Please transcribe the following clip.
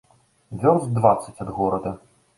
Вёрст дваццаць ад горада.